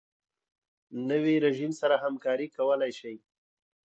نوی رژیم سره همکاري کولای شي.